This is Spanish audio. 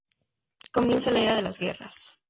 Comienza la Era de las guerras.